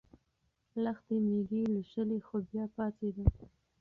لښتې مېږې لوشلې خو بیا پاڅېده.